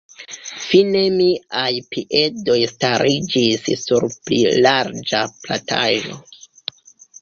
Fine miaj piedoj stariĝis sur pli larĝa plataĵo.